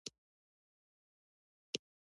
ټولنو ترمنځ ژورو درزونو ته لار هواره کړې وای.